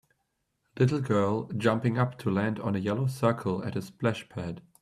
Little girl jumping up to land on a yellow circle at a splash pad.